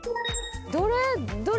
どれ？